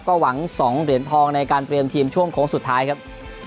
ก็หวัง๒เหรียญทองในการเตรียมทีมช่วงโค้งสุดท้ายครับ